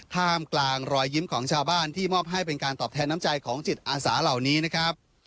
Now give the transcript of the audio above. ท่ามกลางรอยยิ้มของชาวบ้านที่มอบให้เป็นการตอบแทนน้ำใจของจิตอาสาเหล่านี้นะครับ